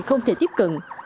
không thể tiếp cận